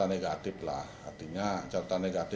penunjukan kusno untuk memimpin jalannya sidang esok hari